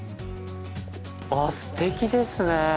ああ、すてきですねぇ。